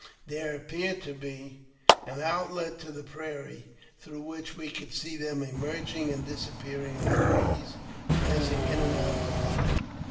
There appeared to be an outlet to the prairie, through which we could see them emerging and disappearing like bees passing in and out of a hive.